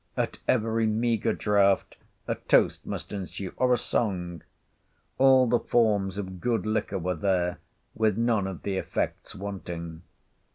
At every meagre draught a toast must ensue, or a song. All the forms of good liquor were there, with none of the effects wanting.